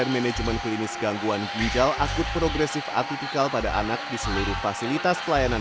manajemen klinis gangguan ginjal akut progresif atipikal pada anak di seluruh fasilitas pelayanan